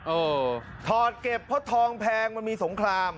เออถอดเก็บเพราะทองแพงมันมีสงคราม